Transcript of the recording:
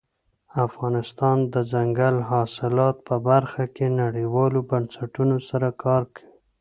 افغانستان د دځنګل حاصلات په برخه کې نړیوالو بنسټونو سره کار کوي.